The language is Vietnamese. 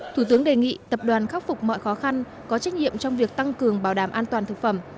thủ tướng đề nghị tập đoàn khắc phục mọi khó khăn có trách nhiệm trong việc tăng cường bảo đảm an toàn thực phẩm